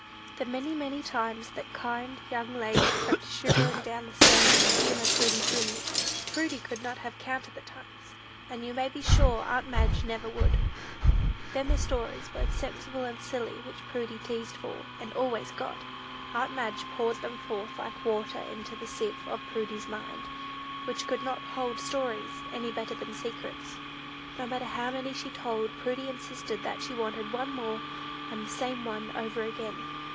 The many, many times that kind young lady crept shivering down stairs to humor Prudy's whims! Prudy could not have counted the times; and you may be sure aunt Madge never would. Then the stories, both sensible and silly, which Prudy teased for, and always got! Aunt Madge poured them forth like water into the sieve of Prudy's mind, which could not hold stories any better than secrets. No matter how many she told, Prudy insisted that she wanted "one more," and the "same one over again."